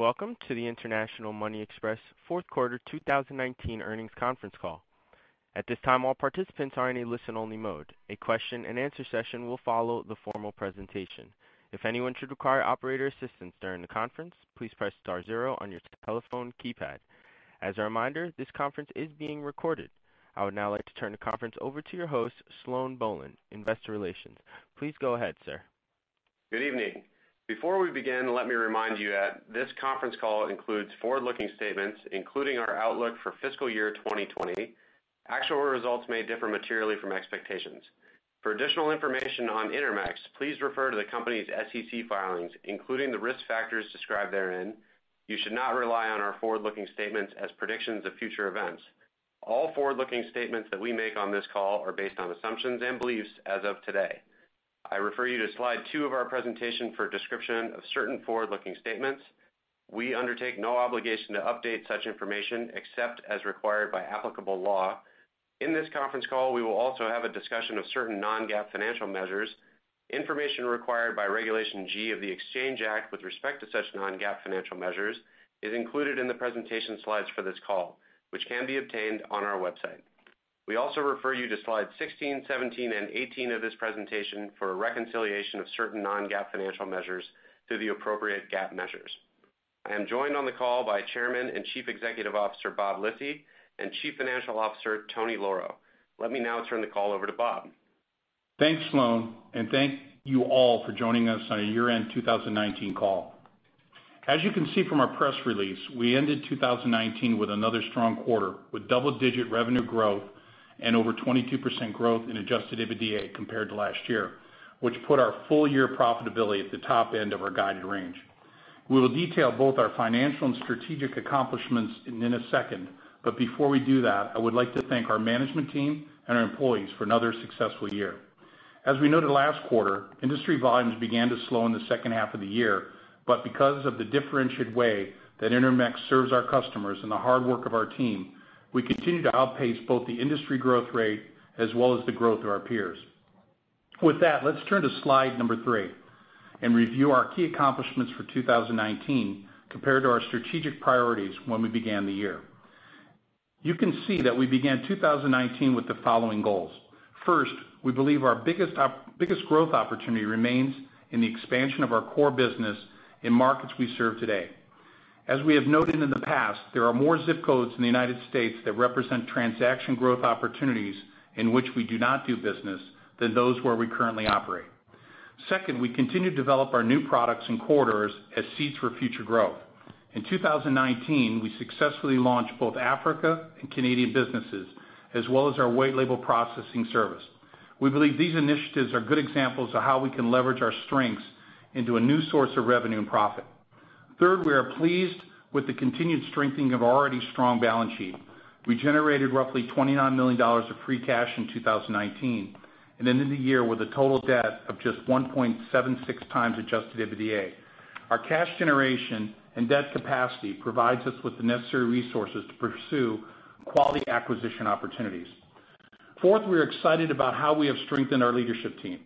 Welcome to the International Money Express fourth quarter 2019 earnings conference call. At this time, all participants are in a listen-only mode. A question and answer session will follow the formal presentation. If anyone should require operator assistance during the conference, please press star zero on your telephone keypad. As a reminder, this conference is being recorded. I would now like to turn the conference over to your host, Sloan Bohlen, Investor Relations. Please go ahead, sir. Good evening. Before we begin, let me remind you that this conference call includes forward-looking statements, including our outlook for fiscal year 2020. Actual results may differ materially from expectations. For additional information on Intermex, please refer to the company's SEC filings, including the risk factors described therein. You should not rely on our forward-looking statements as predictions of future events. All forward-looking statements that we make on this call are based on assumptions and beliefs as of today. I refer you to slide two of our presentation for a description of certain forward-looking statements. We undertake no obligation to update such information except as required by applicable law. In this conference call, we will also have a discussion of certain non-GAAP financial measures. Information required by Regulation G of the Exchange Act with respect to such non-GAAP financial measures is included in the presentation slides for this call, which can be obtained on our website. We also refer you to slides 16, 17, and 18 of this presentation for a reconciliation of certain non-GAAP financial measures to the appropriate GAAP measures. I am joined on the call by Chairman and Chief Executive Officer Bob Lisy and Chief Financial Officer Tony Lauro. Let me now turn the call over to Bob. Thanks, Sloan, and thank you all for joining us on our year-end 2019 call. As you can see from our press release, we ended 2019 with another strong quarter, with double-digit revenue growth and over 22% growth in adjusted EBITDA compared to last year, which put our full-year profitability at the top end of our guided range. We will detail both our financial and strategic accomplishments in a second, but before we do that, I would like to thank our management team and our employees for another successful year. As we noted last quarter, industry volumes began to slow in the second half of the year. Because of the differentiated way that Intermex serves our customers and the hard work of our team, we continue to outpace both the industry growth rate as well as the growth of our peers. With that, let's turn to slide number three and review our key accomplishments for 2019 compared to our strategic priorities when we began the year. You can see that we began 2019 with the following goals. First, we believe our biggest growth opportunity remains in the expansion of our core business in markets we serve today. As we have noted in the past, there are more ZIP codes in the U.S. that represent transaction growth opportunities in which we do not do business than those where we currently operate. Second, we continue to develop our new products and corridors as seeds for future growth. In 2019, we successfully launched both Africa and Canadian businesses, as well as our white label processing service. We believe these initiatives are good examples of how we can leverage our strengths into a new source of revenue and profit. Third, we are pleased with the continued strengthening of our already strong balance sheet. We generated roughly $29 million of free cash in 2019 and ended the year with a total debt of just 1.76 times adjusted EBITDA. Our cash generation and debt capacity provides us with the necessary resources to pursue quality acquisition opportunities. Fourth, we are excited about how we have strengthened our leadership team.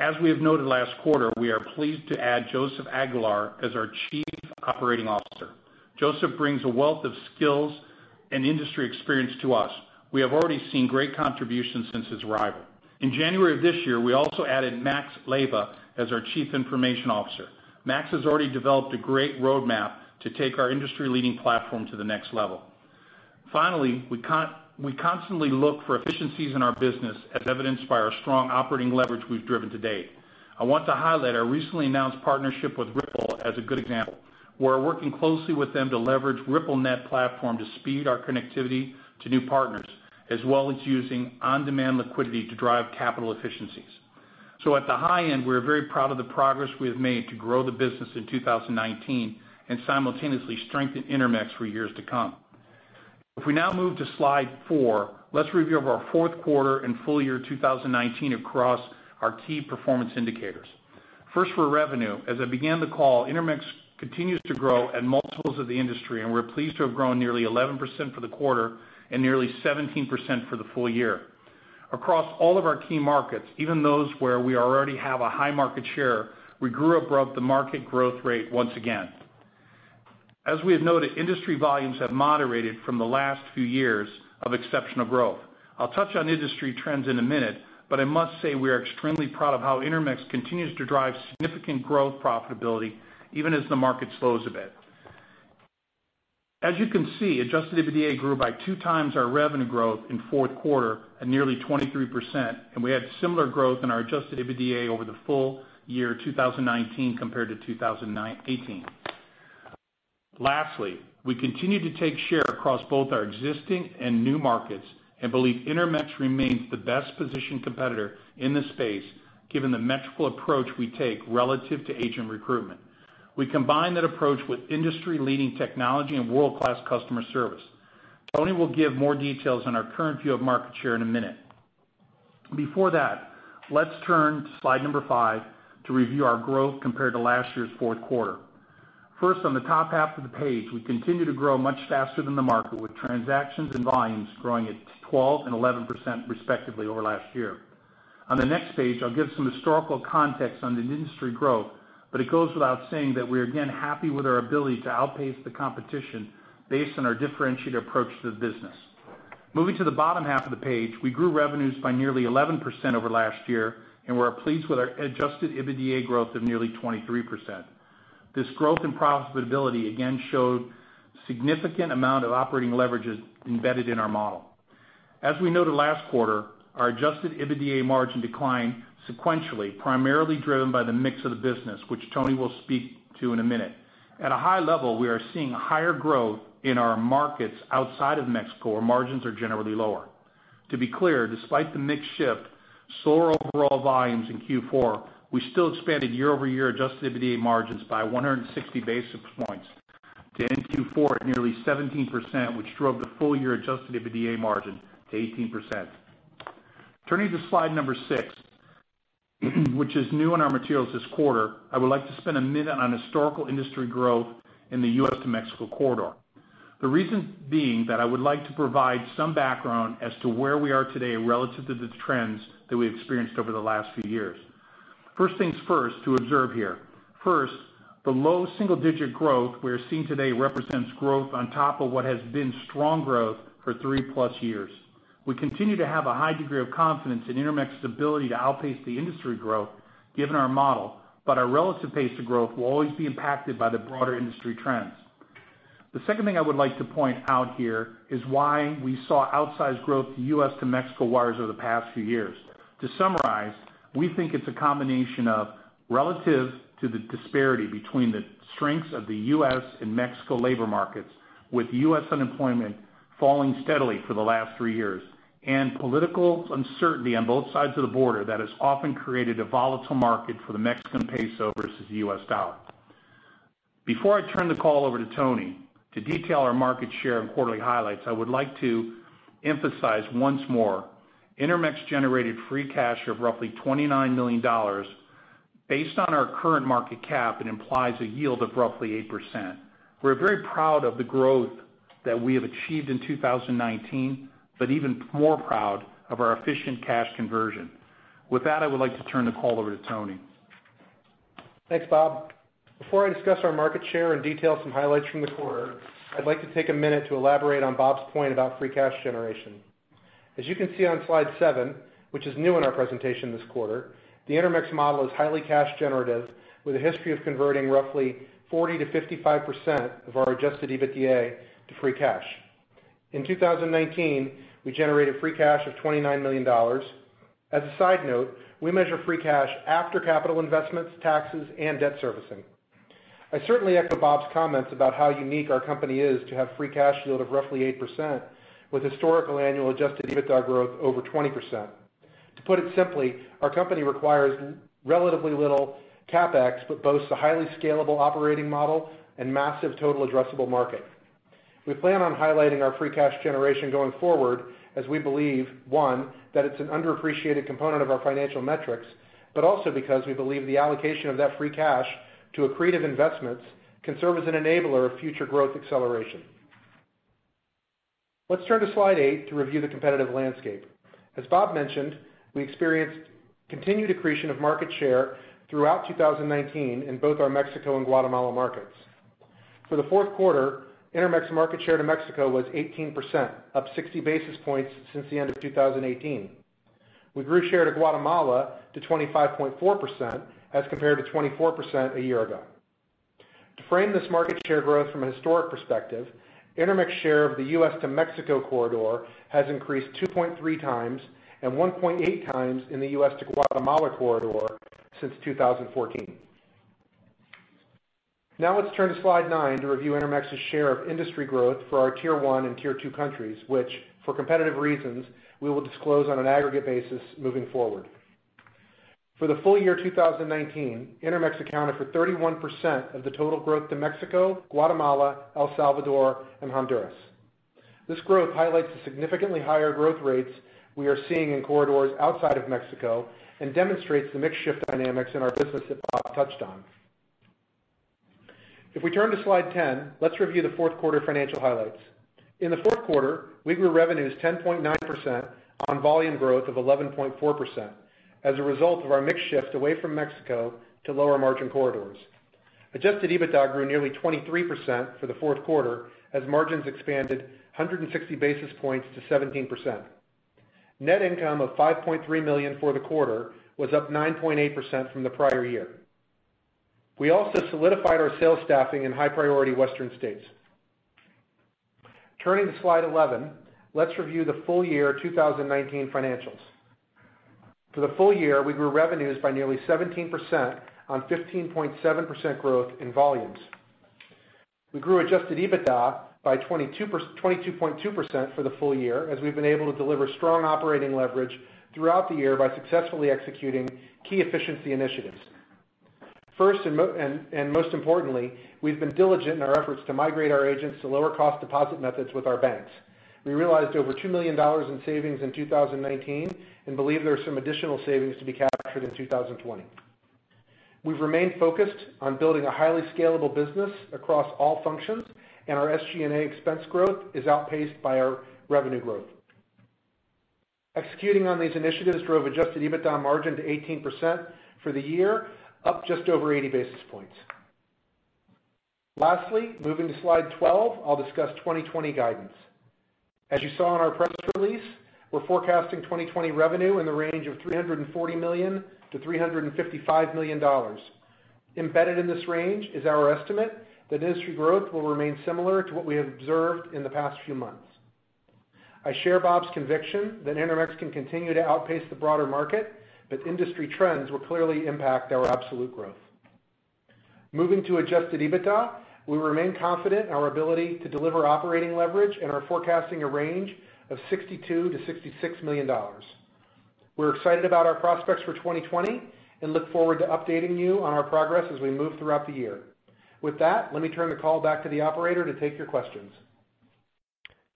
As we have noted last quarter, we are pleased to add Joseph Aguilar as our Chief Operating Officer. Joseph brings a wealth of skills and industry experience to us. We have already seen great contributions since his arrival. In January of this year, we also added Max Leyba as our Chief Information Officer. Max has already developed a great roadmap to take our industry-leading platform to the next level. We constantly look for efficiencies in our business as evidenced by our strong operating leverage we've driven to date. I want to highlight our recently announced partnership with Ripple as a good example. We're working closely with them to leverage RippleNet platform to speed our connectivity to new partners, as well as using On-Demand Liquidity to drive capital efficiencies. At the high end, we're very proud of the progress we have made to grow the business in 2019 and simultaneously strengthen Intermex for years to come. If we now move to slide four, let's review our fourth quarter and full year 2019 across our key performance indicators. For revenue, as I began the call, Intermex continues to grow at multiples of the industry, we're pleased to have grown nearly 11% for the quarter and nearly 17% for the full year. Across all of our key markets, even those where we already have a high market share, we grew above the market growth rate once again. As we have noted, industry volumes have moderated from the last few years of exceptional growth. I will touch on industry trends in a minute, but I must say we are extremely proud of how Intermex continues to drive significant growth profitability even as the market slows a bit. As you can see, adjusted EBITDA grew by two times our revenue growth in fourth quarter at nearly 23%, and we had similar growth in our adjusted EBITDA over the full year 2019 compared to 2018. Lastly, we continue to take share across both our existing and new markets and believe Intermex remains the best-positioned competitor in this space given the metrical approach we take relative to agent recruitment. We combine that approach with industry-leading technology and world-class customer service. Tony will give more details on our current view of market share in a minute. Before that, let's turn to slide number five to review our growth compared to last year's fourth quarter. First, on the top half of the page, we continue to grow much faster than the market, with transactions and volumes growing at 12% and 11% respectively over last year. On the next page, I'll give some historical context on the industry growth, but it goes without saying that we are again happy with our ability to outpace the competition based on our differentiated approach to the business. Moving to the bottom half of the page, we grew revenues by nearly 11% over last year, and we're pleased with our adjusted EBITDA growth of nearly 23%. This growth and profitability again showed significant amount of operating leverage embedded in our model. As we noted last quarter, our adjusted EBITDA margin declined sequentially, primarily driven by the mix of the business, which Tony will speak to in a minute. At a high level, we are seeing higher growth in our markets outside of Mexico, where margins are generally lower. To be clear, despite the mix shift, slower overall volumes in Q4, we still expanded year-over-year adjusted EBITDA margins by 160 basis points to end Q4 at nearly 17%, which drove the full-year adjusted EBITDA margin to 18%. Turning to slide number six, which is new in our materials this quarter, I would like to spend a minute on historical industry growth in the U.S. to Mexico corridor. The reason being that I would like to provide some background as to where we are today relative to the trends that we've experienced over the last few years. First things first, to observe here. First, the low single-digit growth we are seeing today represents growth on top of what has been strong growth for three-plus years. We continue to have a high degree of confidence in Intermex's ability to outpace the industry growth given our model, but our relative pace of growth will always be impacted by the broader industry trends. The second thing I would like to point out here is why we saw outsized growth to U.S. to Mexico wires over the past few years. To summarize, we think it's a combination of relative to the disparity between the strengths of the U.S. and Mexico labor markets, with U.S. unemployment falling steadily for the last three years, and political uncertainty on both sides of the border that has often created a volatile market for the Mexican peso versus the U.S. dollar. Before I turn the call over to Tony to detail our market share and quarterly highlights, I would like to emphasize once more, Intermex generated free cash of roughly $29 million. Based on our current market cap, it implies a yield of roughly 8%. We're very proud of the growth that we have achieved in 2019, even more proud of our efficient cash conversion. With that, I would like to turn the call over to Tony. Thanks, Bob. Before I discuss our market share and detail some highlights from the quarter, I'd like to take a minute to elaborate on Bob's point about free cash generation. As you can see on slide seven, which is new in our presentation this quarter, the Intermex model is highly cash generative, with a history of converting roughly 40%-55% of our adjusted EBITDA to free cash. In 2019, we generated free cash of $29 million. As a side note, we measure free cash after capital investments, taxes, and debt servicing. I certainly echo Bob's comments about how unique our company is to have free cash yield of roughly 8% with historical annual adjusted EBITDA growth over 20%. To put it simply, our company requires relatively little CapEx but boasts a highly scalable operating model and massive total addressable market. We plan on highlighting our free cash generation going forward as we believe, one, that it's an underappreciated component of our financial metrics, but also because we believe the allocation of that free cash to accretive investments can serve as an enabler of future growth acceleration. Let's turn to slide eight to review the competitive landscape. As Bob mentioned, we experienced continued accretion of market share throughout 2019 in both our Mexico and Guatemala markets. For the fourth quarter, Intermex market share to Mexico was 18%, up 60 basis points since the end of 2018. We grew share to Guatemala to 25.4% as compared to 24% a year ago. To frame this market share growth from a historic perspective, Intermex share of the U.S. to Mexico corridor has increased 2.3 times and 1.8 times in the U.S. to Guatemala corridor since 2014. Now let's turn to slide nine to review Intermex's share of industry growth for our Tier one and Tier two countries, which for competitive reasons, we will disclose on an aggregate basis moving forward. For the full year 2019, Intermex accounted for 31% of the total growth to Mexico, Guatemala, El Salvador, and Honduras. This growth highlights the significantly higher growth rates we are seeing in corridors outside of Mexico and demonstrates the mix shift dynamics in our business that Bob touched on. If we turn to slide 10, let's review the fourth quarter financial highlights. In the fourth quarter, we grew revenues 10.9% on volume growth of 11.4% as a result of our mix shift away from Mexico to lower-margin corridors. Adjusted EBITDA grew nearly 23% for the fourth quarter as margins expanded 160 basis points to 17%. Net income of $5.3 million for the quarter was up 9.8% from the prior year. We also solidified our sales staffing in high-priority western states. Turning to slide 11, let's review the full year 2019 financials. For the full year, we grew revenues by nearly 17% on 15.7% growth in volumes. We grew adjusted EBITDA by 22.2% for the full year, as we've been able to deliver strong operating leverage throughout the year by successfully executing key efficiency initiatives. First and most importantly, we've been diligent in our efforts to migrate our agents to lower-cost deposit methods with our banks. We realized over $2 million in savings in 2019 and believe there are some additional savings to be captured in 2020. We've remained focused on building a highly scalable business across all functions, our SG&A expense growth is outpaced by our revenue growth. Executing on these initiatives drove adjusted EBITDA margin to 18% for the year, up just over 80 basis points. Lastly, moving to slide 12, I'll discuss 2020 guidance. As you saw in our press release, we're forecasting 2020 revenue in the range of $340 million-$355 million. Embedded in this range is our estimate that industry growth will remain similar to what we have observed in the past few months. I share Bob's conviction that Intermex can continue to outpace the broader market, but industry trends will clearly impact our absolute growth. Moving to adjusted EBITDA, we remain confident in our ability to deliver operating leverage and are forecasting a range of $62 million-$66 million. We're excited about our prospects for 2020 and look forward to updating you on our progress as we move throughout the year. With that, let me turn the call back to the operator to take your questions.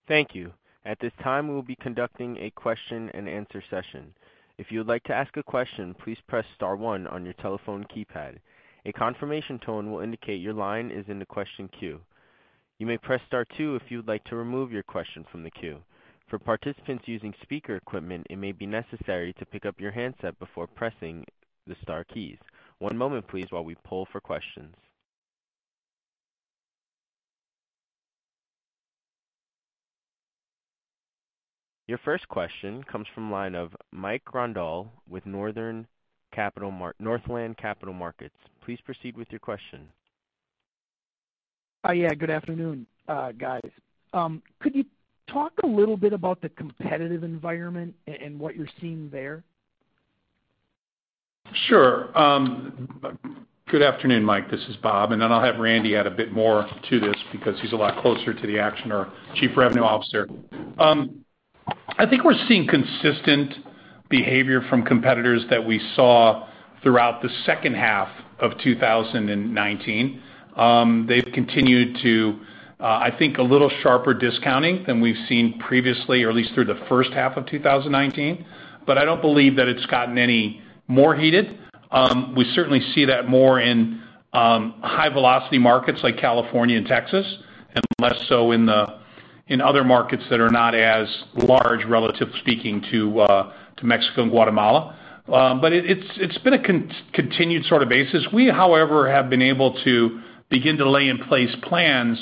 Thank you. At this time, we will be conducting a question and answer session. If you would like to ask a question, please press star one on your telephone keypad. A confirmation tone will indicate your line is in the question queue. You may press star two if you would like to remove your question from the queue. For participants using speaker equipment, it may be necessary to pick up your handset before pressing the star keys. One moment, please, while we poll for questions. Your first question comes from the line of Mike Grondahl with Northland Capital Markets. Please proceed with your question. Yeah. Good afternoon, guys. Could you talk a little bit about the competitive environment and what you're seeing there? Sure. Good afternoon, Mike. This is Bob, and then I'll have Randy add a bit more to this because he's a lot closer to the action, our Chief Revenue Officer. I think we're seeing consistent behavior from competitors that we saw throughout the second half of 2019. They've continued to, I think, a little sharper discounting than we've seen previously or at least through the first half of 2019. I don't believe that it's gotten any more heated. We certainly see that more in high-velocity markets like California and Texas, and less so in other markets that are not as large, relative speaking to Mexico and Guatemala. It's been a continued sort of basis. We, however, have been able to begin to lay in place plans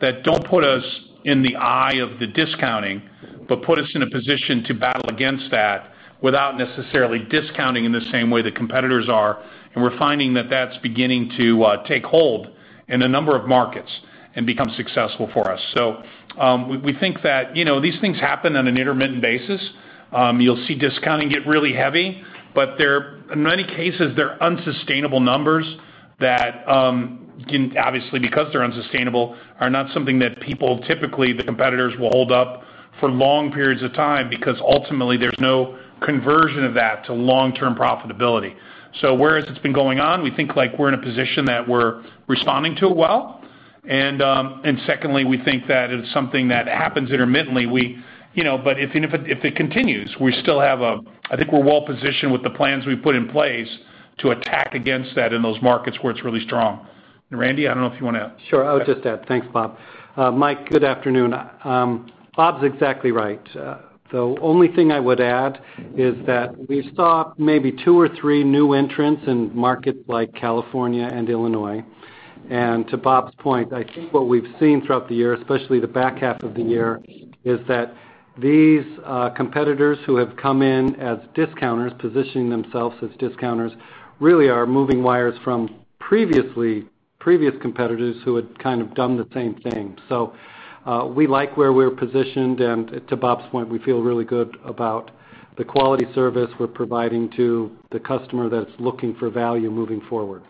that don't put us in the eye of the discounting, but put us in a position to battle against that without necessarily discounting in the same way the competitors are. We're finding that that's beginning to take hold in a number of markets and become successful for us. We think that these things happen on an intermittent basis. You'll see discounting get really heavy, but in many cases, they're unsustainable numbers that obviously because they're unsustainable, are not something that people, typically the competitors, will hold up for long periods of time, because ultimately there's no conversion of that to long-term profitability. Whereas it's been going on, we think we're in a position that we're responding to it well, and secondly, we think that it's something that happens intermittently. If it continues, I think we're well-positioned with the plans we've put in place to attack against that in those markets where it's really strong. Randy, I don't know if you want to. Sure. I would just add. Thanks, Bob. Mike, good afternoon. Bob's exactly right. The only thing I would add is that we saw maybe two or three new entrants in markets like California and Illinois. To Bob's point, I think what we've seen throughout the year, especially the back half of the year, is that these competitors who have come in as discounters, positioning themselves as discounters, really are moving wires from previous competitors who had kind of done the same thing. We like where we're positioned, and to Bob's point, we feel really good about the quality service we're providing to the customer that's looking for value moving forward.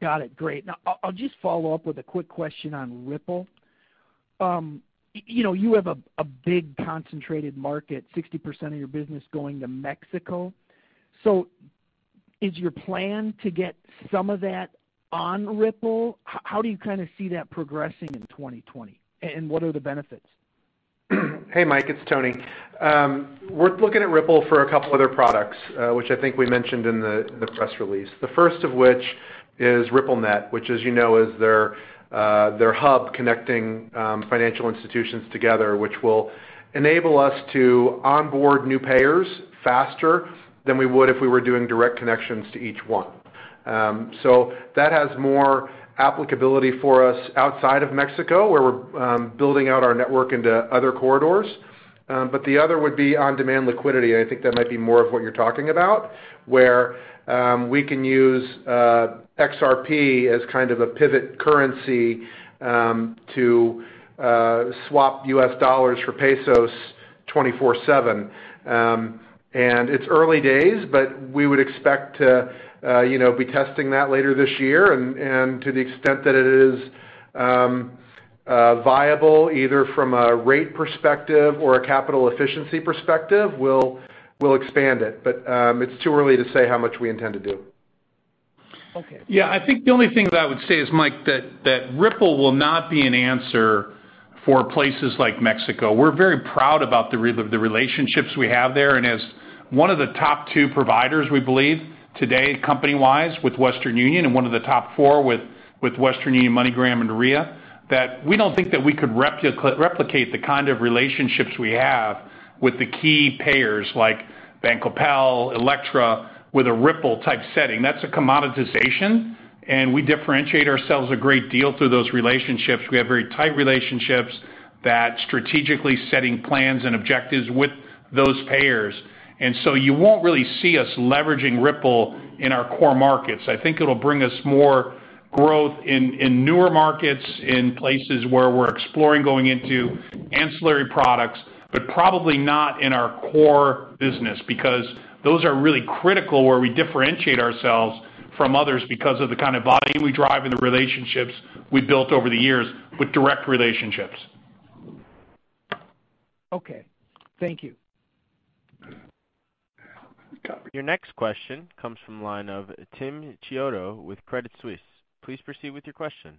Got it. Great. I'll just follow up with a quick question on Ripple. You have a big concentrated market, 60% of your business going to Mexico. Is your plan to get some of that on Ripple? How do you see that progressing in 2020, and what are the benefits? Hey, Mike, it's Tony. We're looking at Ripple for a couple other products which I think we mentioned in the press release. The first of which is RippleNet, which as you know is their hub connecting financial institutions together, which will enable us to onboard new payers faster than we would if we were doing direct connections to each one. That has more applicability for us outside of Mexico, where we're building out our network into other corridors. The other would be On-Demand Liquidity, and I think that might be more of what you're talking about, where we can use XRP as kind of a pivot currency to swap U.S. dollars for pesos 24/7. It's early days, but we would expect to be testing that later this year, and to the extent that it is viable, either from a rate perspective or a capital efficiency perspective, we'll expand it. It's too early to say how much we intend to do. Okay. Yeah, I think the only thing that I would say is, Mike, that Ripple will not be an answer for places like Mexico. We're very proud about the relationships we have there, as one of the top two providers, we believe today, company-wise, with Western Union and one of the top four with Western Union, MoneyGram, and Ria, that we don't think that we could replicate the kind of relationships we have with the key payers like BanCoppel, Elektra, with a Ripple-type setting. That's a commoditization, we differentiate ourselves a great deal through those relationships. We have very tight relationships that strategically setting plans and objectives with those payers. You won't really see us leveraging Ripple in our core markets. I think it'll bring us more growth in newer markets, in places where we're exploring going into ancillary products, but probably not in our core business, because those are really critical where we differentiate ourselves from others because of the kind of volume we drive and the relationships we've built over the years with direct relationships. Okay. Thank you. Your next question comes from the line of Tim Chiodo with Credit Suisse. Please proceed with your question.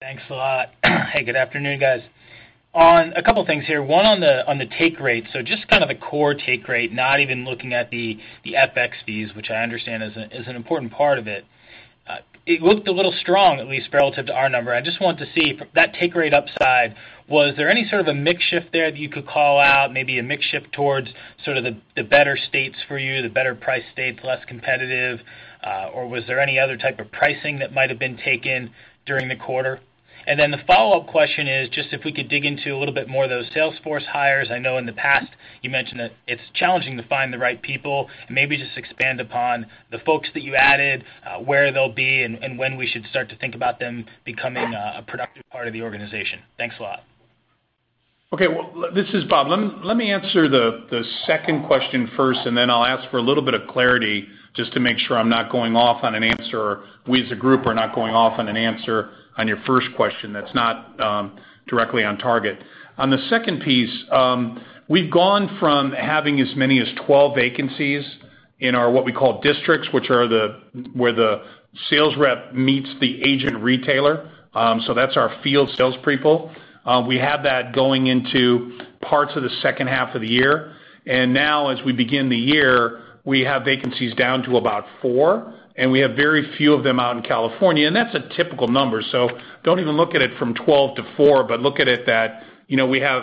Thanks a lot. Hey, good afternoon, guys. On a couple of things here, one on the take rate. Just kind of the core take rate, not even looking at the FX fees, which I understand is an important part of it. It looked a little strong, at least relative to our number. I just wanted to see that take rate upside, was there any sort of a mix shift there that you could call out, maybe a mix shift towards sort of the better states for you, the better price states, less competitive? Or was there any other type of pricing that might have been taken during the quarter? Then the follow-up question is just if we could dig into a little bit more of those sales force hires. I know in the past you mentioned that it's challenging to find the right people. Maybe just expand upon the folks that you added, where they'll be, and when we should start to think about them becoming a productive part of the organization. Thanks a lot. Okay. Well, this is Bob. Let me answer the second question first, and then I'll ask for a little bit of clarity just to make sure I'm not going off on an answer, or we as a group are not going off on an answer on your first question that's not directly on target. On the second piece, we've gone from having as many as 12 vacancies in our, what we call districts, which are where the sales rep meets the agent retailer. That's our field sales people. We had that going into parts of the second half of the year. Now, as we begin the year, we have vacancies down to about four, and we have very few of them out in California, and that's a typical number. Don't even look at it from 12-4, but look at it that we have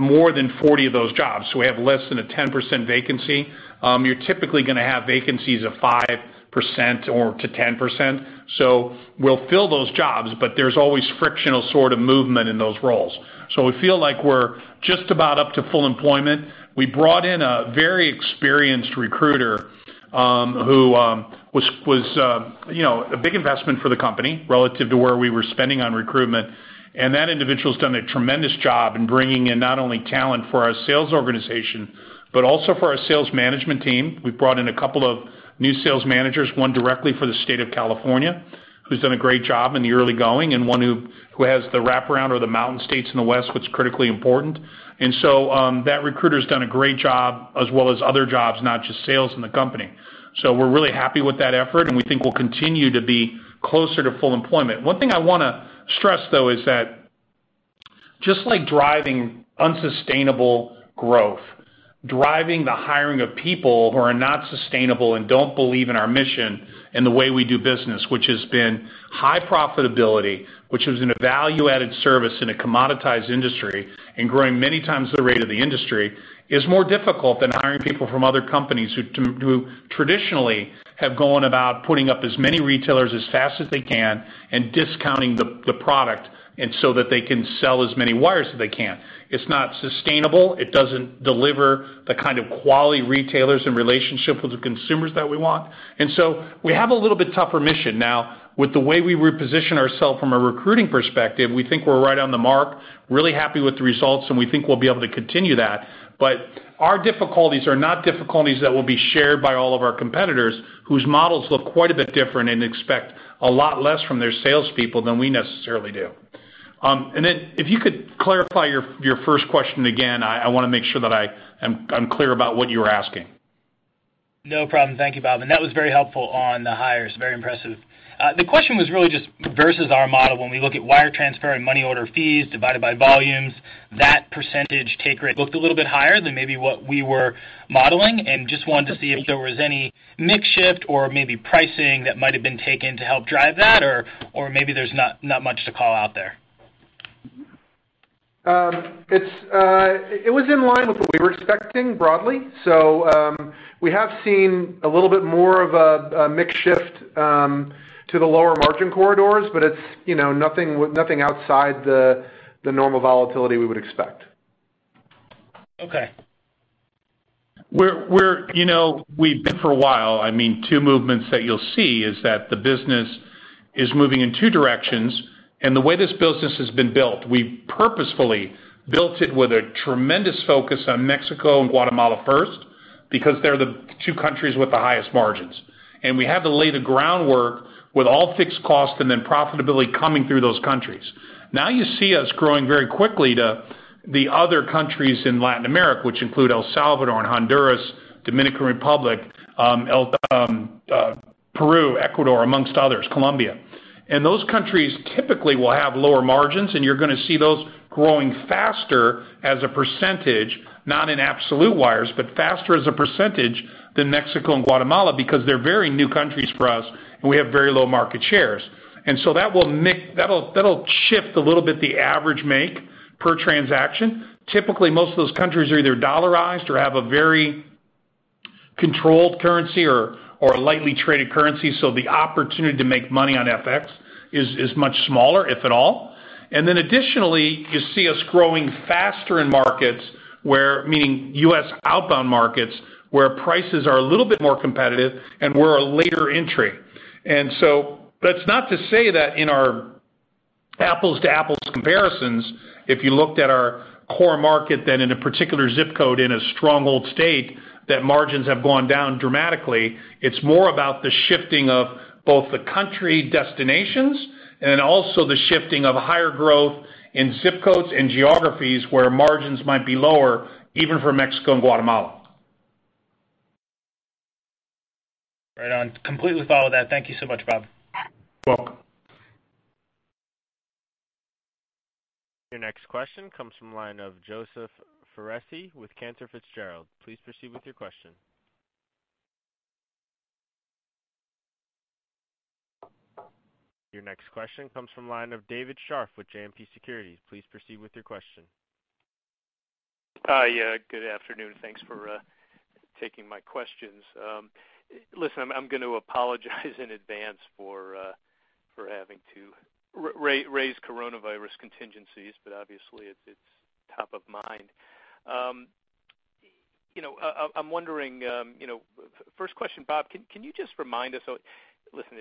more than 40 of those jobs. We have less than a 10% vacancy. You're typically going to have vacancies of 5%-10%, so we'll fill those jobs, but there's always frictional sort of movement in those roles. We feel like we're just about up to full employment. We brought in a very experienced recruiter, who was a big investment for the company relative to where we were spending on recruitment. That individual's done a tremendous job in bringing in not only talent for our sales organization, but also for our sales management team. We've brought in a couple of new sales managers, one directly for the state of California, who's done a great job in the early going, and one who has the wraparound or the mountain states in the West, which is critically important. That recruiter's done a great job as well as other jobs, not just sales in the company. We're really happy with that effort, and we think we'll continue to be closer to full employment. One thing I want to stress, though, is that just like driving unsustainable growth, driving the hiring of people who are not sustainable and don't believe in our mission and the way we do business, which has been high profitability, which is in a value-added service in a commoditized industry, and growing many times the rate of the industry, is more difficult than hiring people from other companies who traditionally have gone about putting up as many retailers as fast as they can and discounting the product so that they can sell as many wires as they can. It's not sustainable. It doesn't deliver the kind of quality retailers and relationship with the consumers that we want. We have a little bit tougher mission now with the way we reposition ourselves from a recruiting perspective, we think we're right on the mark, really happy with the results, and we think we'll be able to continue that. Our difficulties are not difficulties that will be shared by all of our competitors whose models look quite a bit different and expect a lot less from their salespeople than we necessarily do. If you could clarify your first question again, I want to make sure that I'm clear about what you were asking. No problem. Thank you, Bob. That was very helpful on the hires. Very impressive. The question was really just versus our model, when we look at wire transfer and money order fees divided by volumes, that percentage take rate looked a little bit higher than maybe what we were modeling, and just wanted to see if there was any mix shift or maybe pricing that might have been taken to help drive that, or maybe there's not much to call out there. It was in line with what we were expecting broadly. We have seen a little bit more of a mix shift to the lower margin corridors, but it's nothing outside the normal volatility we would expect. Okay. Two movements that you'll see is that the business is moving in two directions. The way this business has been built, we purposefully built it with a tremendous focus on Mexico and Guatemala first because they're the two countries with the highest margins. We had to lay the groundwork with all fixed costs and then profitability coming through those countries. Now you see us growing very quickly to the other countries in Latin America, which include El Salvador and Honduras, Dominican Republic, Peru, Ecuador, amongst others, Colombia. Those countries typically will have lower margins, and you're going to see those growing faster as a percentage, not in absolute wires, but faster as a percentage than Mexico and Guatemala, because they're very new countries for us, and we have very low market shares. That'll shift a little bit the average make per transaction. Typically, most of those countries are either dollarized or have a very controlled currency or a lightly traded currency, so the opportunity to make money on FX is much smaller, if at all. Additionally, you see us growing faster in markets, meaning U.S. outbound markets, where prices are a little bit more competitive and we're a later entry. That's not to say that in our apples-to-apples comparisons, if you looked at our core market, then in a particular zip code in a strong old state, that margins have gone down dramatically. It's more about the shifting of both the country destinations and then also the shifting of higher growth in zip codes and geographies where margins might be lower even for Mexico and Guatemala. Right on. Completely follow that. Thank you so much, Bob. You're welcome. Your next question comes from the line of Joseph Foresi with Cantor Fitzgerald. Please proceed with your question. Your next question comes from the line of David Scharf with JMP Securities. Please proceed with your question. Hi. Good afternoon. Thanks for taking my questions. I'm going to apologize in advance for having to raise coronavirus contingencies. Obviously, it's top of mind. First question, Bob, can you just remind us, listen,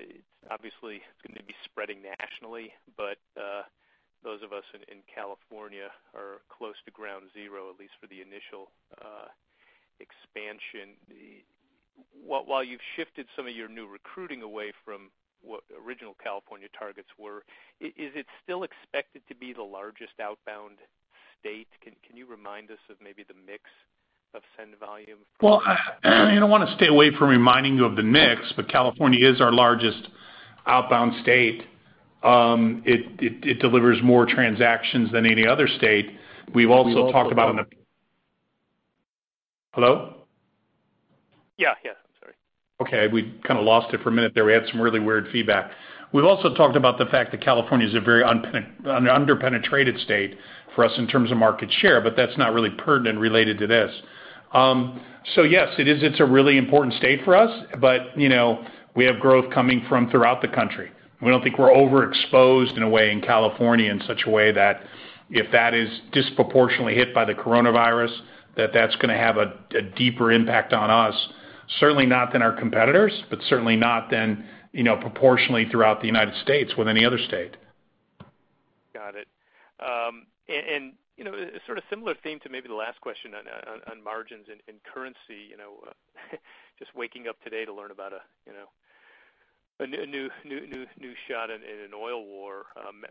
obviously it's going to be spreading nationally. Those of us in California are close to ground zero, at least for the initial expansion. While you've shifted some of your new recruiting away from what original California targets were, is it still expected to be the largest outbound state? Can you remind us of maybe the mix of send volume? Well, I don't want to stay away from reminding you of the mix, but California is our largest outbound state. It delivers more transactions than any other state. We've also talked about Hello? Yeah. Sorry. Okay, we kind of lost it for a minute there. We had some really weird feedback. We've also talked about the fact that California is a very under-penetrated state for us in terms of market share, but that's not really pertinent related to this. Yes, it's a really important state for us, but we have growth coming from throughout the country. We don't think we're overexposed in a way in California in such a way that if that is disproportionately hit by the coronavirus, that that's going to have a deeper impact on us, certainly not than our competitors, but certainly not than proportionally throughout the United States with any other state. Got it. Sort of similar theme to maybe the last question on margins and currency, just waking up today to learn about a new shot in an oil war.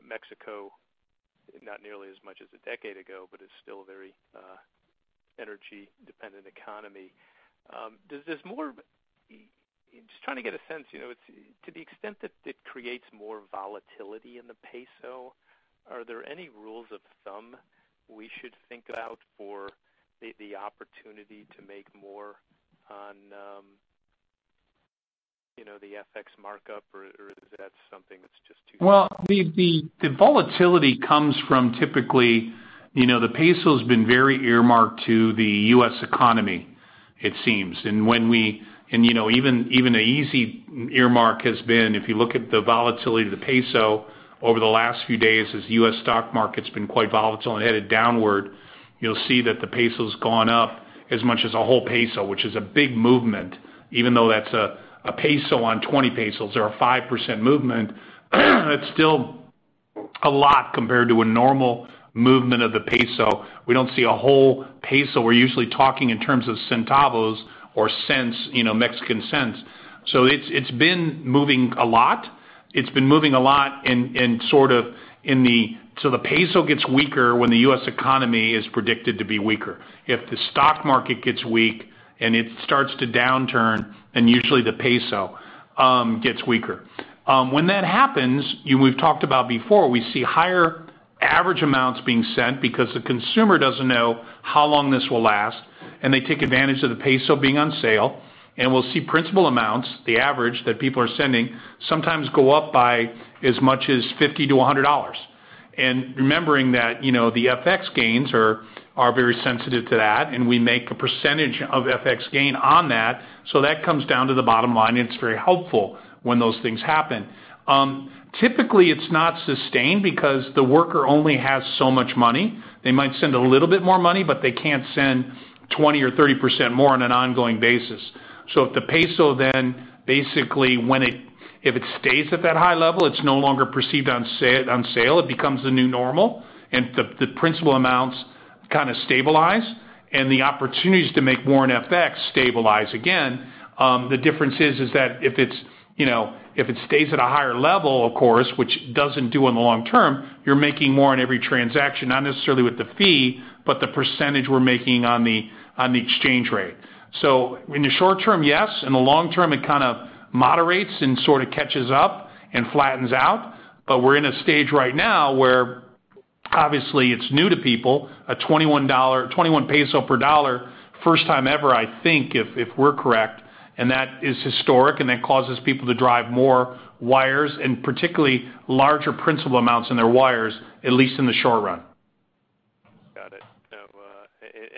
Mexico, not nearly as much as a decade ago, but it's still a very energy-dependent economy. Just trying to get a sense, to the extent that it creates more volatility in the peso, are there any rules of thumb we should think about for the opportunity to make more on the FX markup, or is that something that's just too? The volatility comes from typically, the peso's been very earmarked to the U.S. economy it seems. Even a easy earmark has been, if you look at the volatility of the peso over the last few days as the U.S. stock market's been quite volatile and headed downward, you'll see that the peso's gone up as much as a whole peso, which is a big movement. Even though that's a peso on 20 pesos or a 5% movement, that's still a lot compared to a normal movement of the peso. We don't see a whole peso. We're usually talking in terms of centavos or Mexican cents. It's been moving a lot. The peso gets weaker when the U.S. economy is predicted to be weaker. If the stock market gets weak and it starts to downturn, usually the peso gets weaker. When that happens, we've talked about before, we see higher average amounts being sent because the consumer doesn't know how long this will last, they take advantage of the peso being on sale. We'll see principal amounts, the average that people are sending, sometimes go up by as much as $50-$100. Remembering that the FX gains are very sensitive to that, we make a percentage of FX gain on that. That comes down to the bottom line, it's very helpful when those things happen. Typically, it's not sustained because the worker only has so much money. They might send a little bit more money, they can't send 20% or 30% more on an ongoing basis. If the peso then basically if it stays at that high level, it's no longer perceived on sale. It becomes the new normal, and the principal amounts kind of stabilize, and the opportunities to make more on FX stabilize again. The difference is that if it stays at a higher level, of course, which it doesn't do in the long term, you're making more on every transaction, not necessarily with the fee, but the percentage we're making on the exchange rate. In the short term, yes, in the long term, it kind of moderates and sort of catches up and flattens out. We're in a stage right now where obviously it's new to people, an MXN 21 per U.S. dollar, first time ever, I think, if we're correct, and that is historic, and that causes people to drive more wires, and particularly larger principal amounts in their wires, at least in the short run. Got it.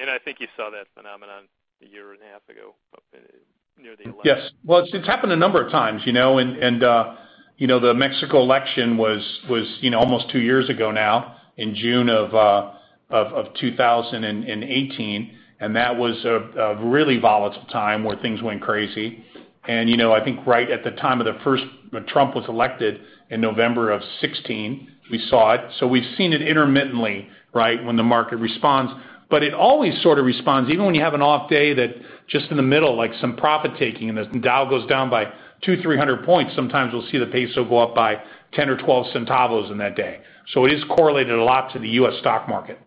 I think you saw that phenomenon a year and a half ago, near the election. Yes. Well, it's happened a number of times. The Mexico election was almost two years ago now, in June of 2018, and that was a really volatile time where things went crazy. I think right at the time when Trump was elected in November of 2016, we saw it. We've seen it intermittently, when the market responds. It always sort of responds, even when you have an off day that just in the middle, like some profit-taking, and the Dow goes down by 200, 300 points, sometimes we'll see the peso go up by 10 or 12 centavos in that day. It is correlated a lot to the U.S. stock market.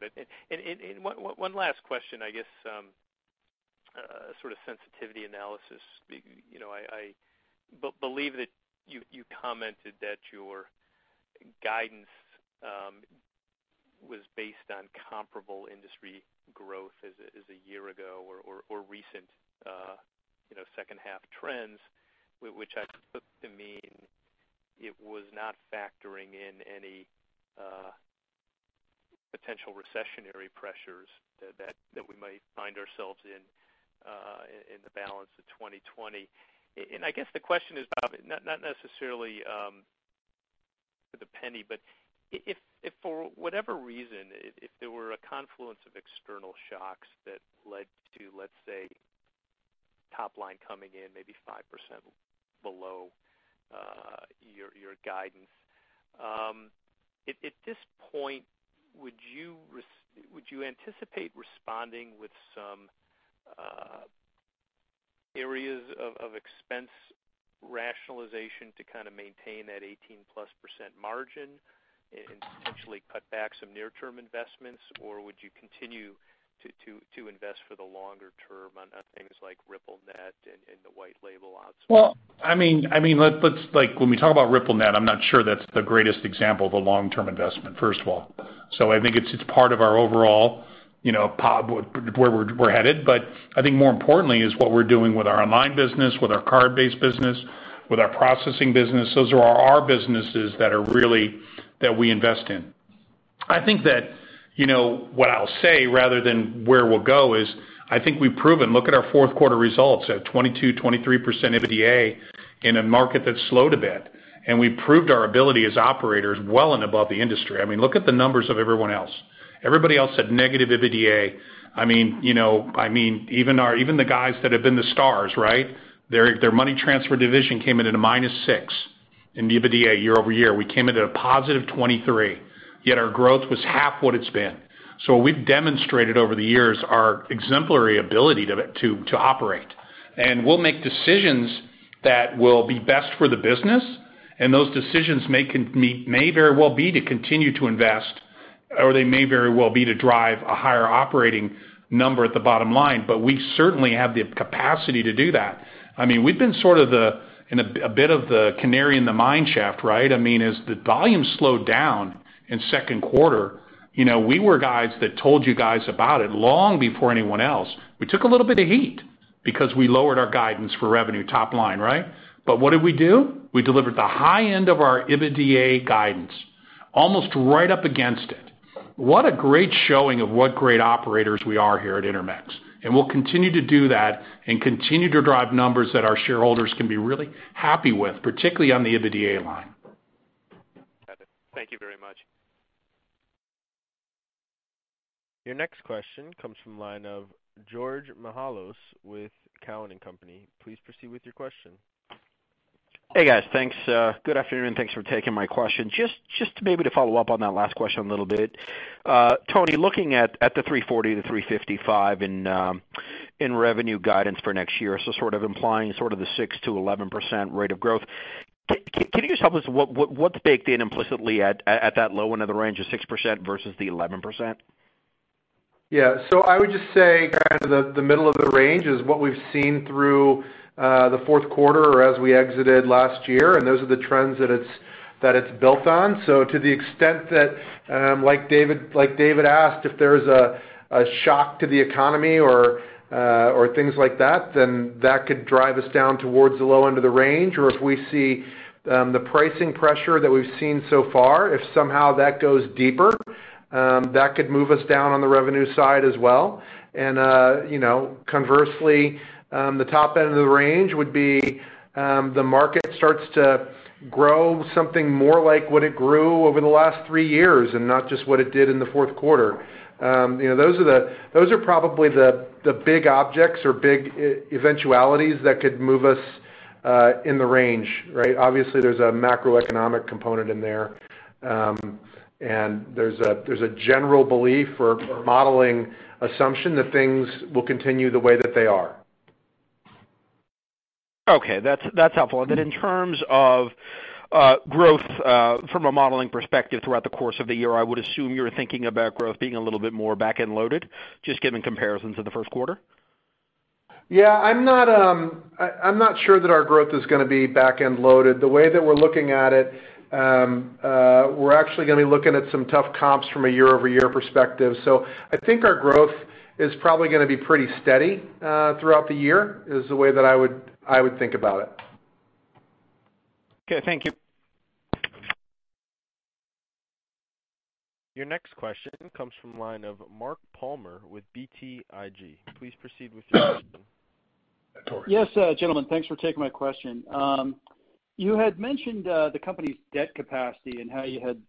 Got it. One last question, I guess, sort of sensitivity analysis. I believe that you commented that your guidance was based on comparable industry growth as a year ago or recent second-half trends, which I took to mean it was not factoring in any potential recessionary pressures that we might find ourselves in the balance of 2020. I guess the question is, Bob, not necessarily for the penny, but if for whatever reason, if there were a confluence of external shocks that led to, let's say, top line coming in maybe 5% below your guidance. At this point, would you anticipate responding with some areas of expense rationalization to kind of maintain that 18-plus percent margin and potentially cut back some near-term investments? Would you continue to invest for the longer term on things like RippleNet and the white label ops? When we talk about RippleNet, I'm not sure that's the greatest example of a long-term investment, first of all. I think it's part of our overall where we're headed. I think more importantly is what we're doing with our online business, with our card-based business, with our processing business. Those are our businesses that we invest in. I think that what I'll say rather than where we'll go is I think we've proven, look at our fourth quarter results, at 22%, 23% EBITDA in a market that's slowed a bit, and we've proved our ability as operators well and above the industry. Look at the numbers of everyone else. Everybody else had negative EBITDA. Even the guys that have been the stars. Their money transfer division came in at a -6 in EBITDA year-over-year. We came in at a +23, yet our growth was half what it's been. We've demonstrated over the years our exemplary ability to operate. We'll make decisions that will be best for the business, and those decisions may very well be to continue to invest, or they may very well be to drive a higher operating number at the bottom line. We certainly have the capacity to do that. We've been sort of a bit of the canary in the mine shaft. As the volume slowed down in second quarter, we were guys that told you guys about it long before anyone else. We took a little bit of heat because we lowered our guidance for revenue top line. What did we do? We delivered the high end of our EBITDA guidance, almost right up against it. What a great showing of what great operators we are here at Intermex. We'll continue to do that and continue to drive numbers that our shareholders can be really happy with, particularly on the EBITDA line. Got it. Thank you very much. Your next question comes from the line of George Mihalos with Cowen and Company. Please proceed with your question. Hey guys, thanks. Good afternoon, thanks for taking my question. Just maybe to follow up on that last question a little bit. Tony, looking at the $340-$355 in revenue guidance for next year, sort of implying sort of the 6%-11% rate of growth. Can you just help us, what's baked in implicitly at that low end of the range of 6% versus the 11%? I would just say, kind of the middle of the range is what we've seen through the fourth quarter or as we exited last year, and those are the trends that it's built on. To the extent that, like David asked, if there's a shock to the economy or things like that could drive us down towards the low end of the range. If we see the pricing pressure that we've seen so far, if somehow that goes deeper, that could move us down on the revenue side as well. Conversely, the top end of the range would be the market starts to grow something more like what it grew over the last three years and not just what it did in the fourth quarter. Those are probably the big objects or big eventualities that could move us in the range. Right? Obviously, there's a macroeconomic component in there. There's a general belief for modeling assumption that things will continue the way that they are. Okay. That's helpful. Then in terms of growth from a modeling perspective throughout the course of the year, I would assume you're thinking about growth being a little bit more back-end loaded, just given comparisons of the first quarter. Yeah, I'm not sure that our growth is going to be back-end loaded. The way that we're looking at it, we're actually going to be looking at some tough comps from a year-over-year perspective. I think our growth is probably going to be pretty steady throughout the year, is the way that I would think about it. Okay. Thank you. Your next question comes from the line of Mark Palmer with BTIG. Please proceed with your question. Yes, gentlemen. Thanks for taking my question. You had mentioned the company's debt capacity and how you had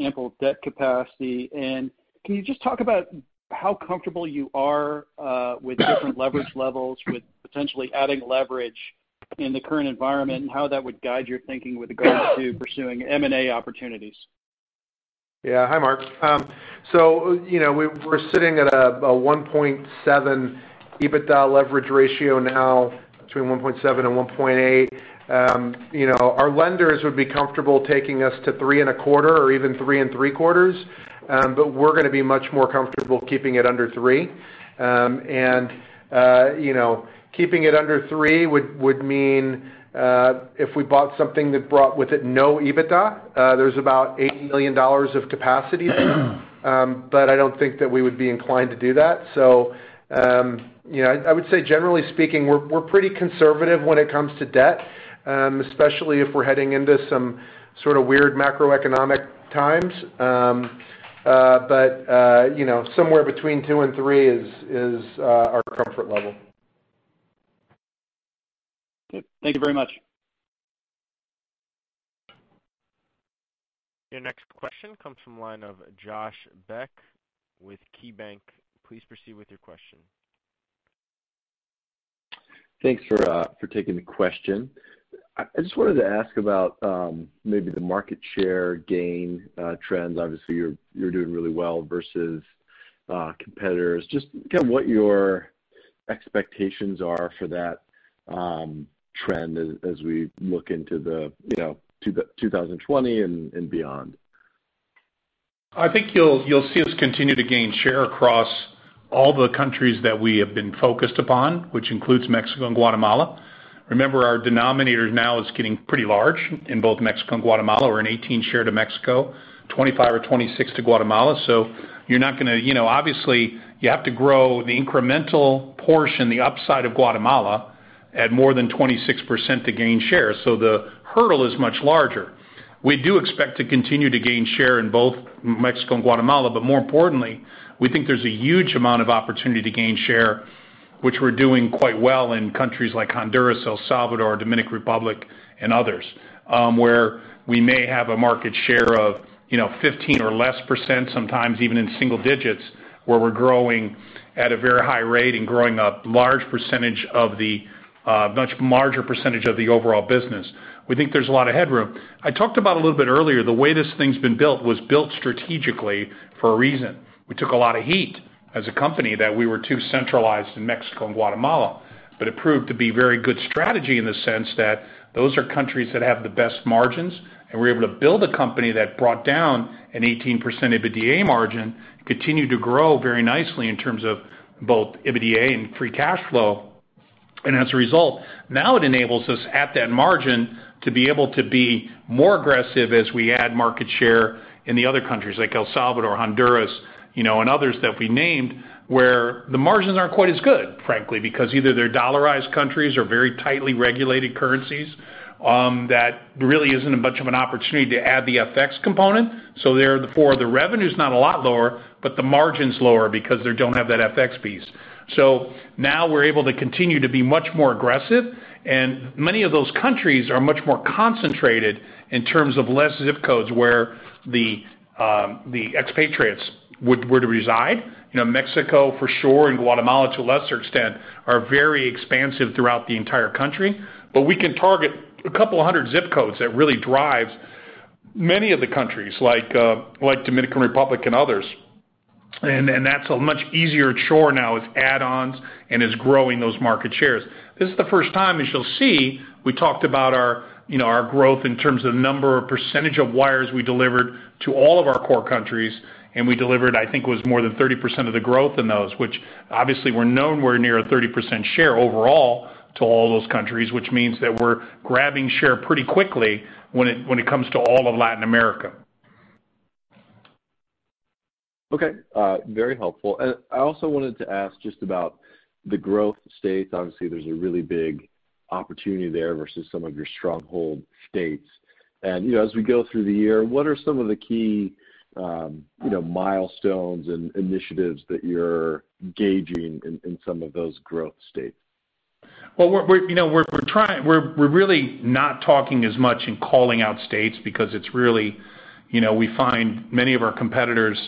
ample debt capacity. Can you just talk about how comfortable you are with different leverage levels, with potentially adding leverage in the current environment, and how that would guide your thinking with regards to pursuing M&A opportunities? Hi, Mark. We're sitting at a 1.7 EBITDA leverage ratio now, between 1.7 and 1.8. Our lenders would be comfortable taking us to 3.25 or even 3.75. We're going to be much more comfortable keeping it under three. Keeping it under three would mean, if we bought something that brought with it no EBITDA, there's about $80 million of capacity there. I don't think that we would be inclined to do that. I would say generally speaking, we're pretty conservative when it comes to debt, especially if we're heading into some sort of weird macroeconomic times. Somewhere between two and three is our comfort level. Okay. Thank you very much. Your next question comes from the line of Josh Beck with KeyBanc. Please proceed with your question. Thanks for taking the question. I just wanted to ask about maybe the market share gain trends. Obviously, you're doing really well versus competitors. Just kind of what your expectations are for that trend as we look into the 2020 and beyond. I think you'll see us continue to gain share across all the countries that we have been focused upon, which includes Mexico and Guatemala. Remember, our denominator now is getting pretty large in both Mexico and Guatemala. We're an 18 share to Mexico, 25 or 26 to Guatemala. Obviously, you have to grow the incremental portion, the upside of Guatemala, at more than 26% to gain share. The hurdle is much larger. We do expect to continue to gain share in both Mexico and Guatemala. More importantly, we think there's a huge amount of opportunity to gain share, which we're doing quite well in countries like Honduras, El Salvador, Dominican Republic, and others, where we may have a market share of 15% or less, sometimes even in single digits, where we're growing at a very high rate and growing a much larger percentage of the overall business. We think there's a lot of headroom. I talked about a little bit earlier, the way this thing's been built was built strategically for a reason. We took a lot of heat as a company that we were too centralized in Mexico and Guatemala. It proved to be very good strategy in the sense that those are countries that have the best margins, and we were able to build a company that brought down an 18% EBITDA margin, continued to grow very nicely in terms of both EBITDA and free cash flow. As a result, now it enables us at that margin to be able to be more aggressive as we add market share in the other countries like El Salvador, Honduras, and others that we named, where the margins aren't quite as good, frankly, because either they're dollarized countries or very tightly regulated currencies. That really isn't much of an opportunity to add the FX component. Therefore, the revenue's not a lot lower, but the margin's lower because they don't have that FX piece. Now we're able to continue to be much more aggressive, and many of those countries are much more concentrated in terms of less zip codes where the expatriates were to reside. Mexico for sure, and Guatemala to a lesser extent, are very expansive throughout the entire country. We can target a couple of hundred zip codes that really drives many of the countries like Dominican Republic and others. That's a much easier chore now with add-ons and is growing those market shares. This is the first time, as you'll see, we talked about our growth in terms of number or percentage of wires we delivered to all of our core countries. We delivered, I think it was more than 30% of the growth in those, which obviously we're nowhere near a 30% share overall to all those countries, which means that we're grabbing share pretty quickly when it comes to all of Latin America. Okay. Very helpful. I also wanted to ask just about the growth states. Obviously, there's a really big opportunity there versus some of your stronghold states. As we go through the year, what are some of the key milestones and initiatives that you're gauging in some of those growth states? We're really not talking as much and calling out states because we find many of our competitors,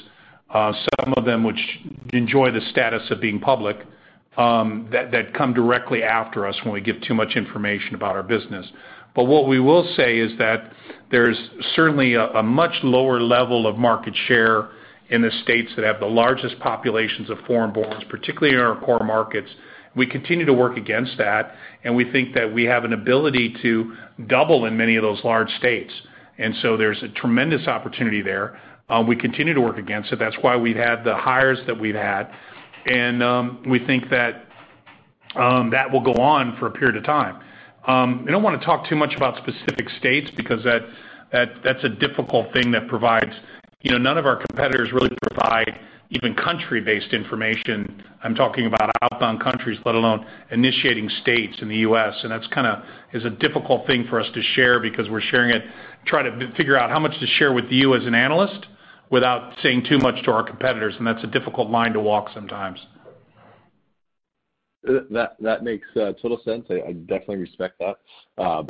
some of them which enjoy the status of being public, that come directly after us when we give too much information about our business. What we will say is that there's certainly a much lower level of market share in the states that have the largest populations of foreign-borns, particularly in our core markets. We continue to work against that, and we think that we have an ability to double in many of those large states. There's a tremendous opportunity there. We continue to work against it. That's why we've had the hires that we've had, and we think that that will go on for a period of time. I don't want to talk too much about specific states because that's a difficult thing. None of our competitors really provide even country-based information. I'm talking about outbound countries, let alone initiating states in the U.S. That's a difficult thing for us to share because we're sharing it, try to figure out how much to share with you as an analyst without saying too much to our competitors, and that's a difficult line to walk sometimes. That makes total sense. I definitely respect that.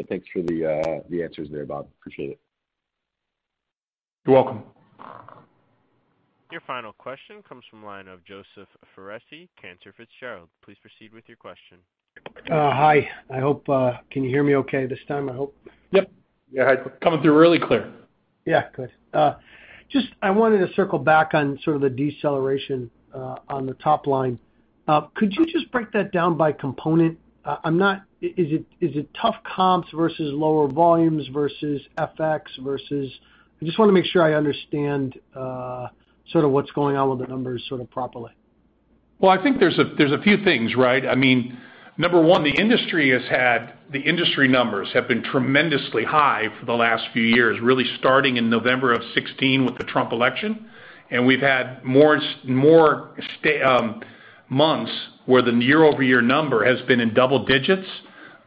Thanks for the answers there, Bob. Appreciate it. You're welcome. Your final question comes from line of Joseph Foresi, Cantor Fitzgerald. Please proceed with your question. Hi. Can you hear me okay this time, I hope? Yep. Yeah. Coming through really clear. Yeah. Good. Just, I wanted to circle back on sort of the deceleration on the top line. Could you just break that down by component? Is it tough comps versus lower volumes versus FX versus I just want to make sure I understand sort of what's going on with the numbers sort of properly? I think there's a few things, right. Number one, the industry numbers have been tremendously high for the last few years, really starting in November of 2016 with the Trump election, and we've had more months where the year-over-year number has been in double digits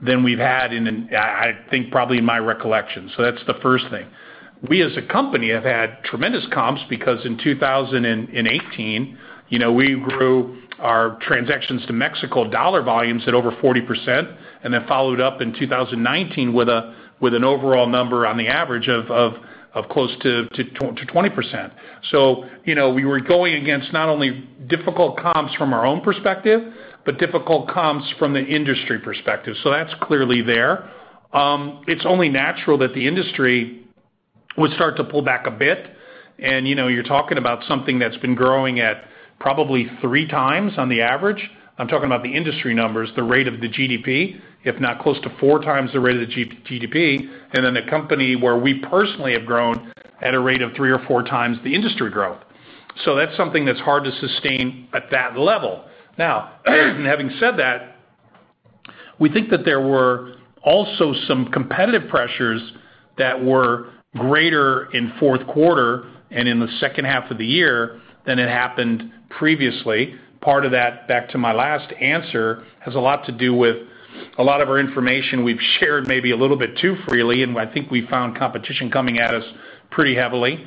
than we've had in, I think probably in my recollection. That's the first thing. We as a company have had tremendous comps because in 2018, we grew our transactions to Mexico dollar volumes at over 40% and then followed up in 2019 with an overall number on the average of close to 20%. We were going against not only difficult comps from our own perspective, but difficult comps from the industry perspective. That's clearly there. It's only natural that the industry would start to pull back a bit, and you're talking about something that's been growing at probably three times on the average. I'm talking about the industry numbers, the rate of the GDP, if not close to four times the rate of the GDP, and then the company where we personally have grown at a rate of three or four times the industry growth. That's something that's hard to sustain at that level. Having said that, we think that there were also some competitive pressures that were greater in fourth quarter and in the second half of the year than had happened previously. Part of that, back to my last answer, has a lot to do with a lot of our information we've shared maybe a little bit too freely, and I think we found competition coming at us pretty heavily.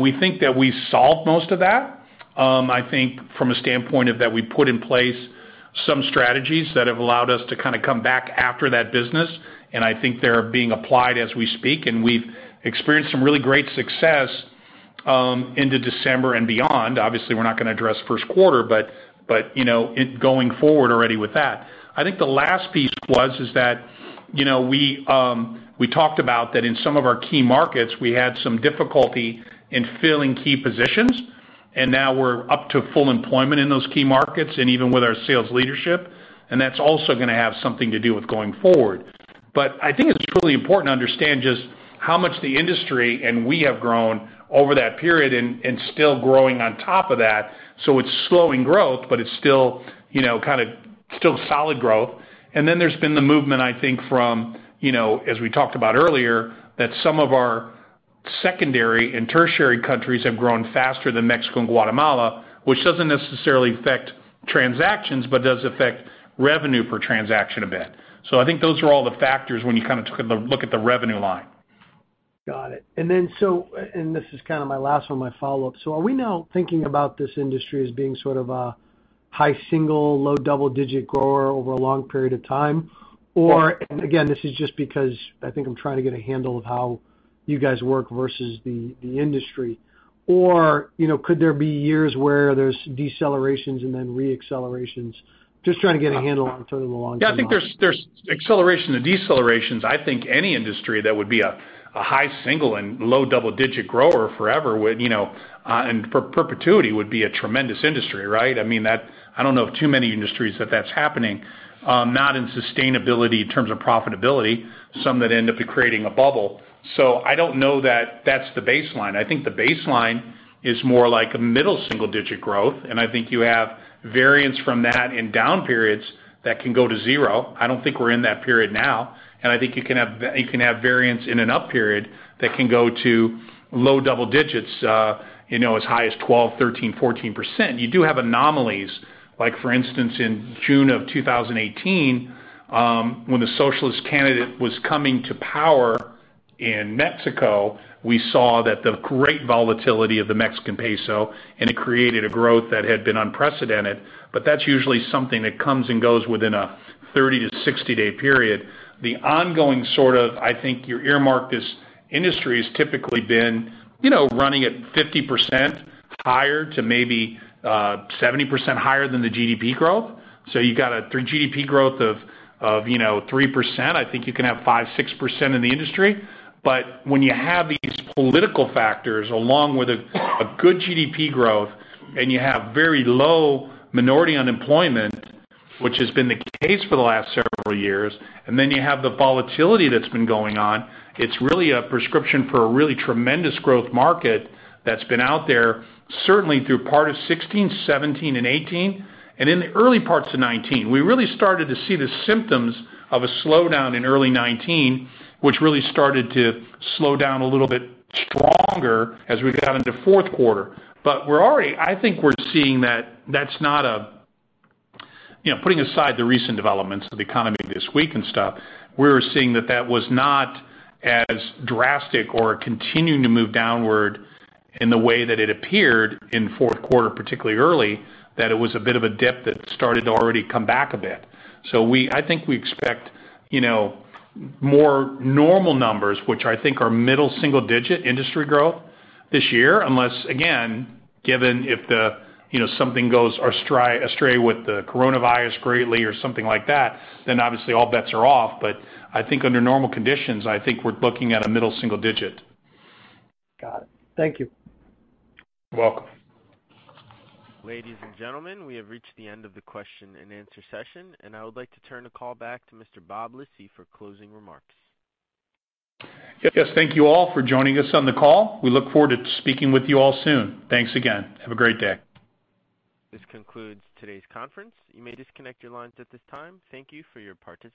We think that we've solved most of that. I think from a standpoint of that we've put in place some strategies that have allowed us to kind of come back after that business, and I think they're being applied as we speak, and we've experienced some really great success into December and beyond. Obviously, we're not going to address first quarter, but going forward already with that. I think the last piece was is that we talked about that in some of our key markets, we had some difficulty in filling key positions, and now we're up to full employment in those key markets and even with our sales leadership, and that's also going to have something to do with going forward. I think it's truly important to understand just how much the industry and we have grown over that period and still growing on top of that. It's slowing growth, but it's still solid growth. Then there's been the movement, I think, from, as we talked about earlier, that some of our secondary and tertiary countries have grown faster than Mexico and Guatemala, which doesn't necessarily affect transactions, but does affect revenue per transaction a bit. I think those are all the factors when you look at the revenue line. Got it. This is kind of my last one, my follow-up. Are we now thinking about this industry as being sort of a high single, low double-digit grower over a long period of time? Again, this is just because I think I'm trying to get a handle of how you guys work versus the industry. Could there be years where there's decelerations and then re-accelerations? Just trying to get a handle on sort of the long-term. Yeah, I think there's accelerations and decelerations. I think any industry that would be a high single and low double-digit grower forever would, and for perpetuity would be a tremendous industry, right? I don't know of too many industries that that's happening, not in sustainability in terms of profitability, some that end up creating a bubble. I don't know that that's the baseline. I think the baseline is more like a middle single-digit growth, and I think you have variance from that in down periods that can go to zero. I don't think we're in that period now, and I think you can have variance in an up period that can go to low double digits, as high as 12%, 13%, 14%. You do have anomalies, like, for instance, in June 2018, when the socialist candidate was coming to power in Mexico, we saw that the great volatility of the Mexican peso. It created a growth that had been unprecedented. That's usually something that comes and goes within a 30-60-day period. The ongoing sort of, I think you earmark this industry, has typically been running at 50% higher to maybe 70% higher than the GDP growth. You got a GDP growth of 3%, I think you can have 5%, 6% in the industry. When you have these political factors along with a good GDP growth and you have very low minority unemployment, which has been the case for the last several years, then you have the volatility that's been going on. It's really a prescription for a really tremendous growth market that's been out there, certainly through part of 2016, 2017, and 2018, and in the early parts of 2019. We really started to see the symptoms of a slowdown in early 2019, which really started to slow down a little bit stronger as we got into fourth quarter. I think we're seeing that, putting aside the recent developments of the economy this week and stuff, that was not as drastic or continuing to move downward in the way that it appeared in fourth quarter, particularly early, that it was a bit of a dip that started to already come back a bit. I think we expect more normal numbers, which I think are middle single-digit industry growth this year, unless, again, given if something goes astray with the coronavirus greatly or something like that, then obviously all bets are off. I think under normal conditions, I think we're looking at a middle single-digit. Got it. Thank you. You're welcome. Ladies and gentlemen, we have reached the end of the question and answer session, and I would like to turn the call back to Mr. Bob Lisy for closing remarks. Yes, thank you all for joining us on the call. We look forward to speaking with you all soon. Thanks again. Have a great day. This concludes today's conference. You may disconnect your lines at this time. Thank you for your participation.